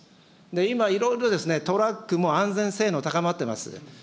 今、いろいろトラックも安全性能高まってます。